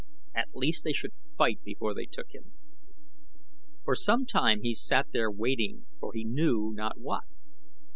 At least they should fight before they took him. For some time he sat there waiting for he knew not what.